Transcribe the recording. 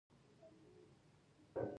دوی د پوتسي کان کیندونکو ته خواړه برابرول.